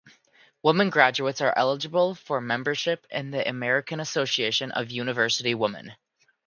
Women graduates are eligible for membership in the American Association of University Women.